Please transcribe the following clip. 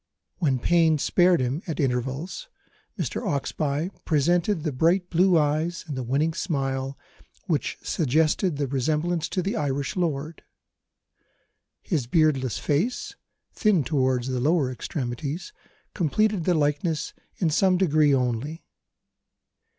When pain spared him at intervals, Mr. Oxbye presented the bright blue eyes and the winning smile which suggested the resemblance to the Irish lord. His beardless face, thin towards the lower extremities, completed the likeness in some degree only.